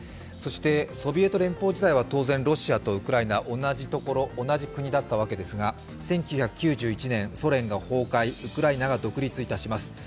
そしてソビエト連邦時代は、当然、ロシアとウクライナ同じ国だったわけですが１９９１年、ソ連崩壊ウクライナが独立いたします。